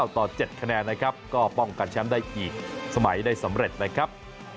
ต่อ๗คะแนนนะครับก็ป้องกันแชมป์ได้อีกสมัยได้สำเร็จนะครับ